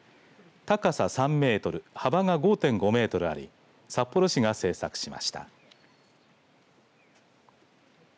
高さ３メートル幅が５．５メートルあり札幌市が制作しました。